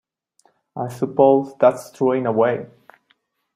I suppose that's true in a way.